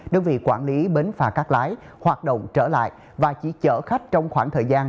đơn vị quản lý bến phà cắt lái hoạt động trở lại và chỉ chở khách trong khoảng thời gian